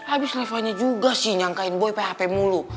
abis levanya juga sih nyangkain boy paham mulu